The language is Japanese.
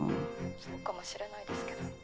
そうかもしれないですけど。